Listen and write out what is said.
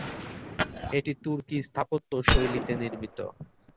এটি তুর্কি স্থাপত্য শৈলীতে নির্মিত।